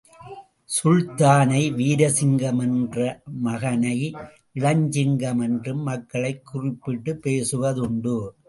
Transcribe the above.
சுல்தானை வீரசிங்கம் என்றும் மகனை இளஞ்சிங்கம் என்றும் மக்கள் குறிப்பிட்டுப் பேசுவதுண்டு.